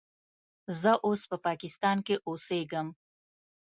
زه اوس په پاکستان کې اوسیږم.